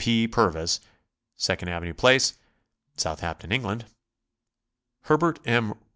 W. P. Purvis, 2 Avenue Place, Southampton, England. Herbert M.